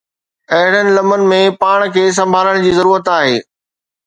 اهڙين لمحن ۾ پاڻ کي سنڀالڻ جي ضرورت آهي.